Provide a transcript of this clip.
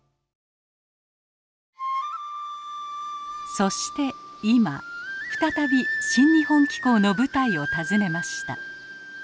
そして今再び「新日本紀行」の舞台を訪ねました。